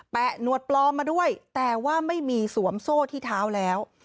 หนวดปลอมมาด้วยแต่ว่าไม่มีสวมโซ่ที่เท้าแล้ว